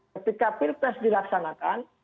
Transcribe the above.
ketika pilpres dilaksanakan